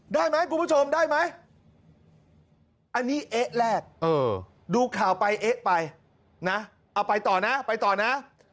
ได้ไหมคุณผู้ชมได้ไหมอันนี้เอ๊ะแรกดูข่าวไปเอ๊ะไปนะเอาไปต่อนะไปต่อนะ